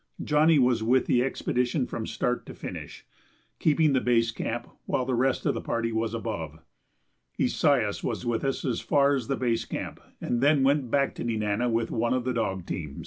"Johnny" was with the expedition from start to finish, keeping the base camp while the rest of the party was above; Esaias was with us as far as the base camp and then went back to Nenana with one of the dog teams.